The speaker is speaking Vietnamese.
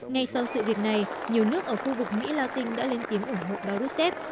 ngay sau sự việc này nhiều nước ở khu vực mỹ latin đã lên tiếng ủng hộ bà rousseff